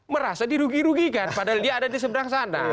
merasa dirugi rugikan padahal dia ada di seberang sana